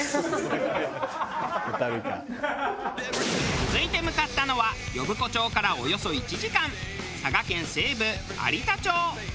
続いて向かったのは呼子町からおよそ１時間佐賀県西部有田町。